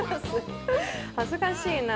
恥ずかしいな。